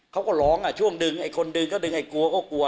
เขาก็ร้องช่วงดึงไอ้คนดึงก็ดึงไอ้กลัวก็กลัว